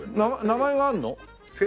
名前があるの？